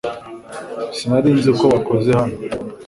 Sinari nzi ko wakoze hano .